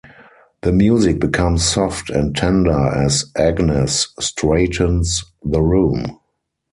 The music becomes soft and tender as Agnes straightens the room.